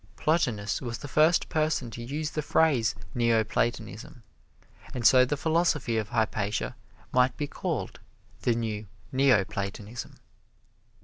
Plotinus was the first person to use the phrase "Neo Platonism," and so the philosophy of Hypatia might be called "The New Neo Platonism."